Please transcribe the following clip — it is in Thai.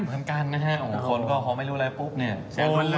เหมือนกันนะฮะคนก็ไม่รู้อะไรปุ๊บเนี่ยโอนไปเลย